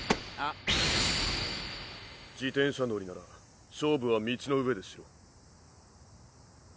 自転車乗りなら勝負は道の上でしろ。